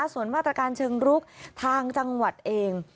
ส่วนมาตรการเชิงรุกทางจังหวัดเอง